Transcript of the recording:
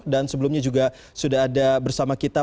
dan sebelumnya juga sudah ada bersama kita